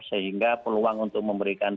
sehingga peluang untuk memberikan